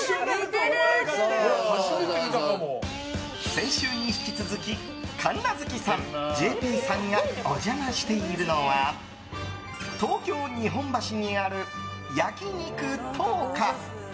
先週に引き続き神奈月さん、ＪＰさんがお邪魔しているのは東京・日本橋にある焼肉燈花。